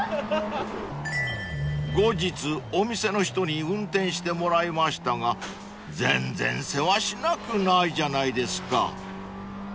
［後日お店の人に運転してもらいましたが全然せわしなくないじゃないですか］